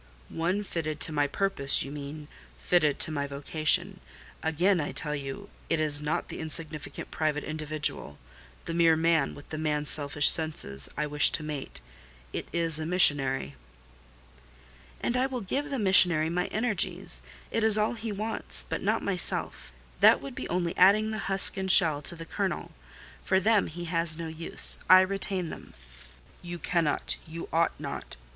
"One fitted to my purpose, you mean—fitted to my vocation. Again I tell you it is not the insignificant private individual—the mere man, with the man's selfish senses—I wish to mate: it is the missionary." "And I will give the missionary my energies—it is all he wants—but not myself: that would be only adding the husk and shell to the kernel. For them he has no use: I retain them." "You cannot—you ought not.